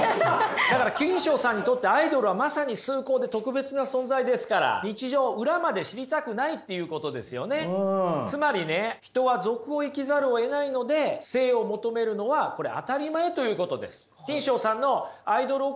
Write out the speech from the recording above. だからキンショウさんにとってアイドルはまさに崇高で特別な存在ですからつまりね人は俗を生きざるをえないので聖を求めるのはこれ当たり前ということです。